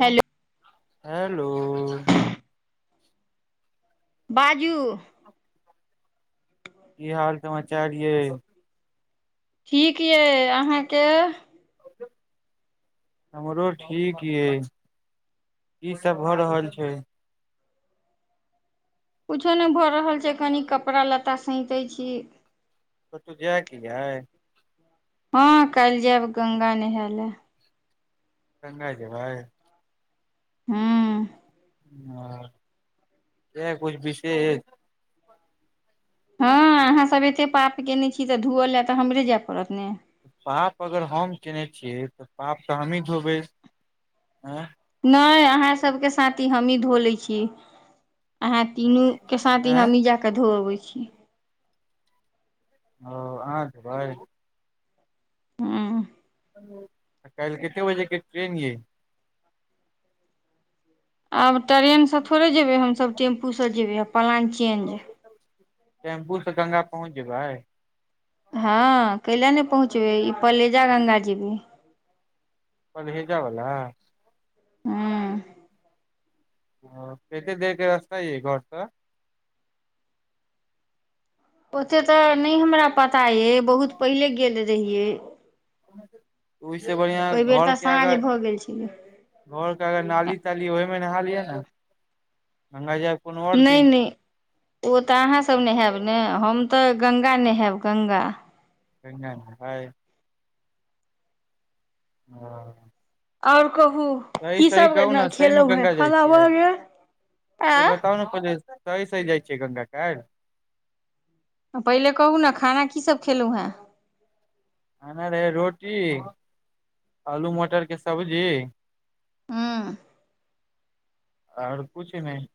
hello hello बाजू की हाल समाचार ये ठीक यइ अहाँके अ [inaudible] हमरो ठीक यइ की सब भऽ रहल छै कुछो नहि भऽ रहल छै कनी कपड़ा लत्ता सैतैत छी कतऽ जायके यै हँ कलिह जायब गंगा नहाय लए गंगा जेबै हुँ ह या कुछ विशेष हँ अहाँ सब एते पाप केयने छी तऽ धोअल लए तऽ हमरे जाय पड़त ने पाप अगर हम केने छियै तऽ पाप तऽ हमही धोबै आँय नहि अहाँ सबके साथी हमही धो ले छी अहाँ तीनूके साथ ह आँय हमहीँ जा कऽ धोअबैत छी ओ अहाँ जयबै हुँ कालिह कते बजे के ट्रेन यइ आब ट्रेनसँ थोड़े जेबै हमसभ टेम्पूसँ जेबै आ पलाङ् चेन्ज टेम्पू से गङ्ंगा पहुँच जेबै हँ कैल नहि पहुँचबै ई पलेजा गङ्गा जेबै पलहेजा वला हूँ हँ केत्ते देरके रस्ता यै घर सँ ओते तऽ नहि हमरा पता यै बहुत पहिले गेल रहियै ओहिसँ बढ़ियां ओहि बेर तऽ घरके साँझ आगां भऽ गेल छलै घरके आगां नाली ताली हय ओहिमे नहा लिय नऽ हमरा ये कोनो नहि नहि ओ तऽ अहाँसभ नहाएब ने हम तऽ गंगा नहाएब गंगा गंगा नहाएबै हँ आओर कहू सही सही कीसभ कहू ने सहीमे खेलहुँ हेँ गंगा जाय खाना छियै भऽ गेल से बताउ आँ न पहिले सही सही जाइ छियै गंगा काल्हि पहिले कहू ने खाना कीसभ खेलहुँ हेँ खाना रहै रोटी आलू मटर के सब्जी हूँ आओर कुछ नहि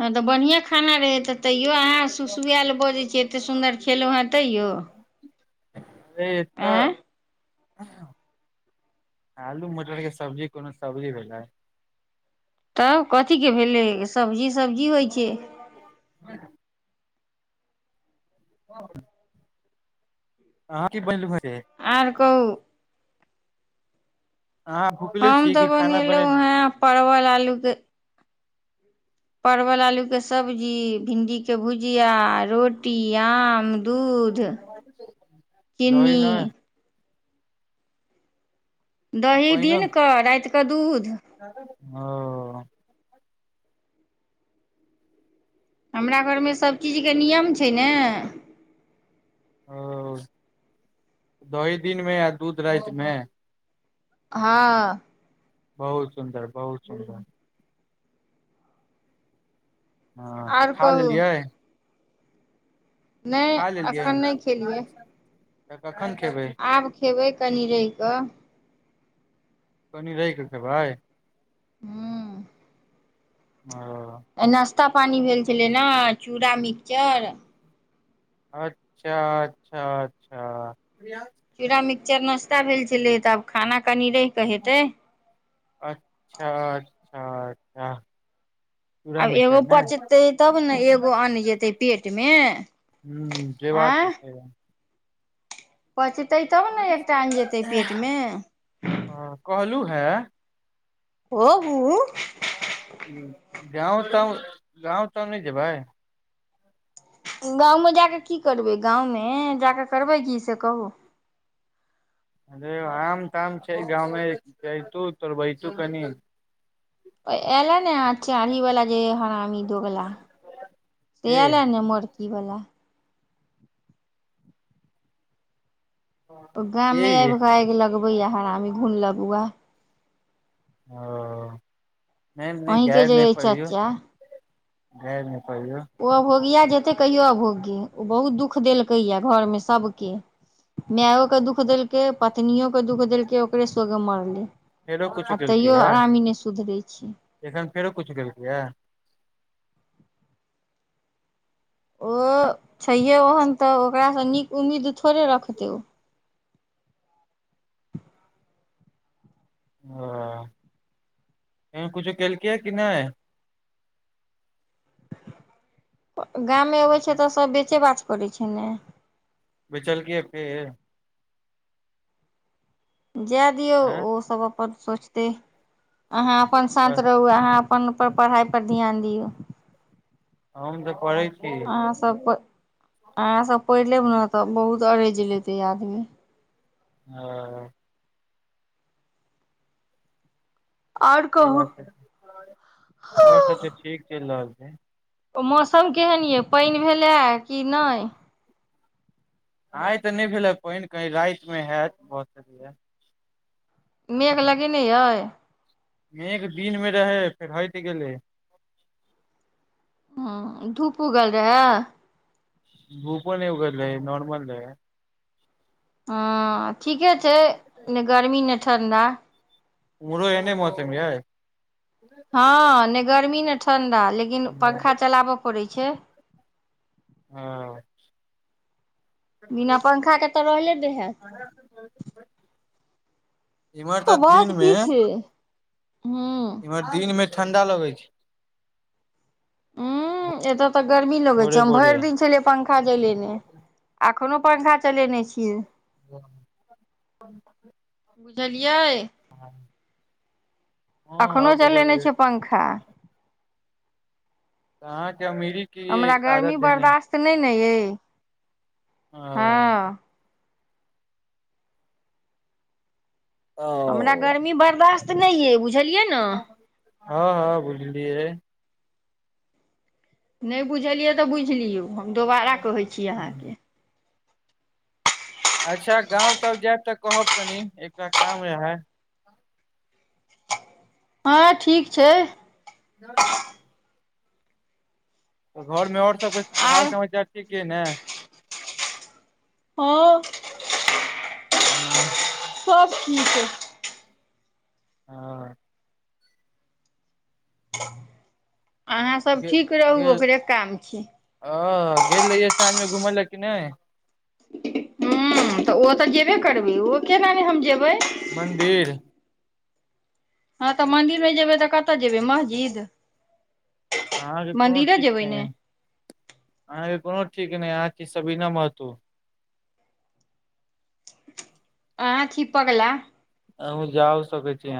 हँ तऽ बढ़ियां खाना रहै तऽ तैयो अहाँ सुसुएल बजैत छियै एतेक सुन्दर खेलहुँ हेँ तैयौ अरे एतऽ आलू मटरके सब्जी कोनो सब्जी भेलै तब कथीके भेलै सब्जी सब्जी होइ छै ह [inaudible] हँ अहाँ की बनेलु ह से आओर कहु अहाँ भुखले हम छी तऽ कि खाना बने बनेलहुँ हें परवल आलू के परवल आलूके सब्जी भिण्डीके भुजिया रोटी आम दूध ध दही चीनी नहि आ दही पाइनो दिनकऽ रातिकऽ दूध ओ हमरा घरमे सब चीजके नियम छै ने ओ दही दिनमे आ दूध रातिमे हँ बहुत सुन्दर बहुत सुन्दर हँ तऽ आर खा कहू लेलियै नहि खा लेलियै एखन नहि खेलियै तऽ कखन खेबै आब खेबै कनि रहि कऽ कनी रहि कऽ खेबै हूँ ओ आइ नाश्ता पानी भेल छलै नऽ चूड़ा मिक्सचर अच्छा अच्छा अच्छा चूड़ा मिक्सचर नाश्ता भेल छलै तऽ आब खाना कनि रहिकऽ हेतै अच्छा अच्छा अच्छा चूड़ा आब मिक्सचर एगो ने पचतै तब ने एगो अन्न जेतै पेटमे हँ जेबाक तऽ आँय छैहे पचतै तब ने एकटा अन्न जेतै पेटमे हँ कहलु हें कहू कि गाँव ताँउ गाँव ताँउ नहि जेबै गाममे जाकऽ की करबै गाममे जाकऽ करबै की से कहू अरे आम ताम छै गाममे जतू तोर बहितू कनि ओ एले ने चढ़ी वालला जे हरामी दोगला से के के एयले ने मोर की बोला गामे मे ये आबि के आगि लगबे य हरामी घून लगुआ ओ नहि नहि अहींके गैर जे नहि अइ पड़ौ चच्चा घैर नहि कहौ ओ अभोगिया जेते कहियो अभोगी ओ बहुत दुख देलकै या घरमे सबके मायो के दुःख देलके पत्नो के दुःख देलक ओकरे सगे मरलै फेरो कुछो आ केलकै तैयो या हरामी नहि सुधरै छी एखन फेरो कुछु केलकै यए ओ छैहे ओहन तऽ ओकरासँ नीक उम्मीद थोड़े रखतै ओ ओ कुछो केलकैए कि नहि गाममे अबै छै तऽ सभ बेचे बच पड़ैत छै ने बे चलके फेर जाए दियौ आँ ओ सब अपन सोचतै अहाँ अपन बस शान्त रहू अहाँ अपन परर पढ़ाई पर ध्यान दियऔ हम तऽ पढ़ैत छी अहाँसभ प अहाँसभ पढ़ि लेब ने तऽ बहुत अरेज लेतै आदमी ह से बात छै आओर सब तऽ ठीक चलि रहल छै ओ मौसम केहन यए पानि भेलए कि नहि आइ तऽ नहि भेले पानि कही राति मे हयत भत स मेघ लगेने अइ एक दिन मे रहै फेर होइत गेलै ह धूप उगल रहै भूपन उग रहै नॉर्मल रहे हँ ठीके छै ने गर्मी नहि ठण्डा उमहरो एने मौसम यै हँ नहि गर्मी ने ठण्डा लेकिन पंखा चलाब पड़ै छै हँ बिना पंखाके तऽ रहले नै हैत [unintelligible] [unintelligible] तऽ दिन बस मे की छै हू इम्हर दिन में ठंडा लगै छै ह एत तऽ गर्मी लगै छै भोरे हम भोरे भरि दिन छलियै पंखा जलेने अखनो पंखा चलेने छ क बुझलियै ह ह आ अखनो चलेने बुझलियै छियै पंखा तऽहाँके अमिरीक हमरा गर्मी बर्दश्त नहि ने अइ ह हँ हमरा ओ गर्मी बर्दश्त नहि अइ बुझलियै न हँ हँ बुझलियै नहि बुझलियै तऽ बुझि लियौ हम दोबारा कहै छी अहाँके अच्छा गाँंव तब जायब तऽ कहब कनी एकटा काम रहै हँ ठीक छै [unintelligible] तऽ घरमे ओर सबके हाल आर समाचार ठीक या ने हाँ हँ सब ठीक ऐय हाँ हँ अहाँ सब गे ठीक रहू गेल ओकरे काम छी ह गेल रहियै साँझ मे घुमै लाय कि नहि हूँ तऽ ओ तऽ जेबे करबै ओ केना नहि हम जेबै मन्दिर हँ तऽ मंदिर नै जेबै तऽ कतऽ जेबै मस्जिद अहाँके कोनो मन्दिरे ठीक जेबै नहि हई ने अहाँके कोनो ठीक नहि है अहाँ छिय सबीना महतो आहाँ छी पगला आहुँ जाउ सकै छी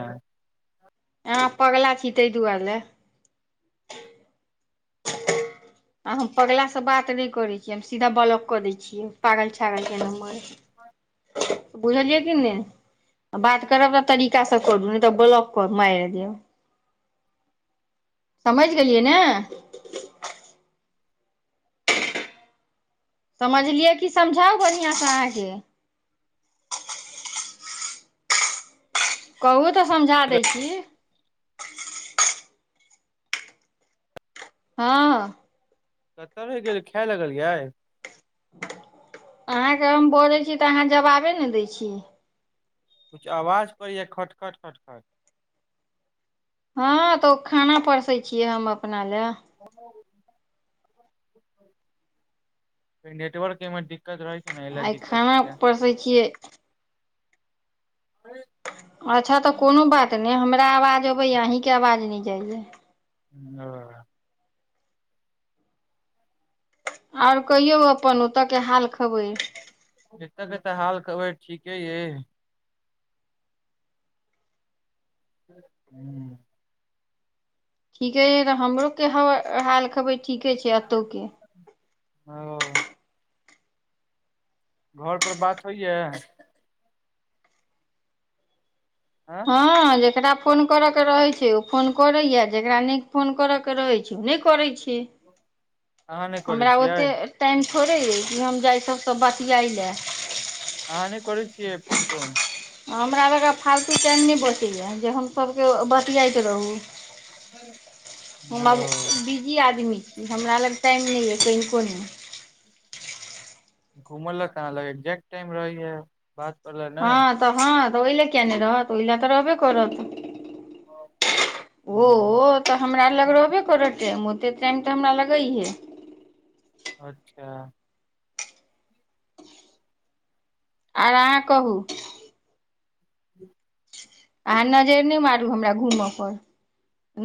अहाँ पगला छी तै दुआरे लए आ हम पगलासँ बात नहि करै छीयै हम सीधा ब्लॉक कऽ दै छियै पागल छउरा के नम्बर बुझलियै कि नहि बात करब तऽ तरीका करू नहि तऽ ब्लॉक कए मारि देब समझि गेलियै ने समझलियै कि समझाउ बढ़िआँसँ अहाँके कहबै तऽ समझा दै छी हँ कतय रहै गेलिए खाय लगलियै अहाँके हम बजै छी तऽ अहाँ जवाबे ने दै छी कुछ आवाज पैरैया खटखट खट खट हँ तऽ ओ खाना परसै छियै हम अपना लए नेटवर्क के मे दिक्कत रहै ना एला दिककत होयया कसैय छिय [unintelligible] अच्छा तऽ कोनो बात नहि हमरा आवाज अबैएा अहीँके आवाज नहि जाइया ह आओर कहियौ अपन ओतय के हाल खबैर एतऽ क तऽ हाल खबर ठीके य हुँ ठीके यइ तऽ हमरोके ह हाल खबैर ठीके छै एतहुके ओ घर पर बात होइया आँ ह जेकरा फोन करे के रहे छै ओ फोन करे या जेकरा नई फोन करे के रहे छै ओ नहि करै छै अहाँ नहि करै हमरा छियै ओतेक टाइम थोड़े अइ कि हम जाय सभसँ बतियाय लाय अहा नई कर छिय फोन तोन हमरा ल कऽ फालतू टाईम नहि बचैए जे हमसभके बतियाइत रहू आ [inaudible] हम आब बिजी आदमी छी हमरा लग टाइम नहि यऽ कनिकोने घुम ल अहाँ लंग एल्जेक्ट टाइम रहै या बात करैय ला नहि हँ तऽ हँ तऽ ओहि ल किया नहि रहत ओहि ल तऽ रहबे करत ओ ह त हमरा लग रहबे कर टाइम ओते टाइम तऽ हमरा लगैहे अच्छा आर अहाँ कहू [inaudible] अहाँ नजर नहि मारू हमरा घूमय पर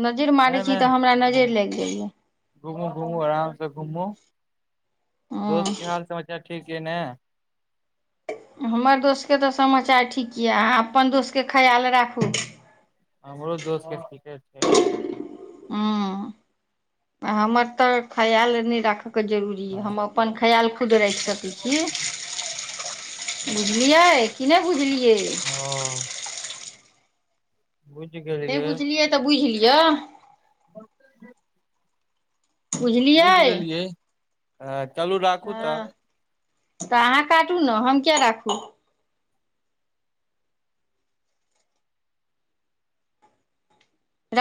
नजर मारै नहि छी नहि तऽ हमरा नजर लागि जाइया घूमू घूमू आरामसँ घूमू दोस्तके हँ हाल समाचार ठीक य ने हमर दोस्तके तऽ समाचार ठीक यऽ अहाँ अपन दोस्तके ख्याल राखू हमरो दोस्त के ठीके छै ह हमर तऽ खयाल नहि राखैके जरूरी ज हम अपन ख्याल खुद राखि सकै छी बुझलियै कि नहि बुझलियै ह बुझि गेलै नहि बुझलियै तऽ बुझि लियअ ब [unintelligible] बुझलियै हँ चलू राखू तऽ हँ तऽ अहाँ काटू ने हम किया राखू